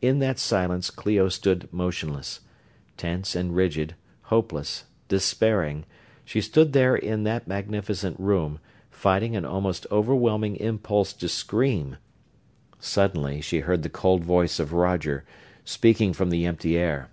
In that silence Clio stood motionless. Tense and rigid, hopeless, despairing, she stood there in that magnificent room, fighting an almost overwhelming impulse to scream. Suddenly she heard the cold voice of Roger, speaking from the empty air.